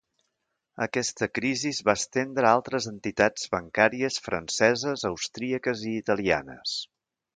Aquesta crisi es va estendre a altres entitats bancàries franceses, austríaques i italianes.